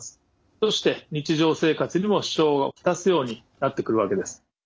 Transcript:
そして日常生活にも支障を来すようになってくるわけです。